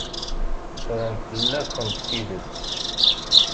Ffren fell-akent tidet.